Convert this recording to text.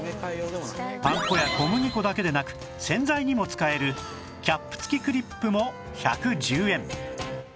パン粉や小麦粉だけでなく洗剤にも使えるキャップ付きクリップも１１０円